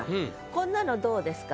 こんなのどうですか？